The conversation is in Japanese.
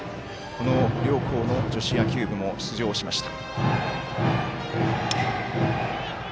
この両校の女子野球部も出場しました。